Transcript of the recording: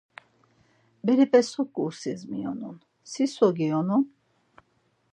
Berepe so ǩursis miyonun, si so giyonun?